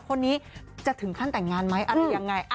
คนนี้จะถึงขั้นแต่งงานไหมอะไรยังไง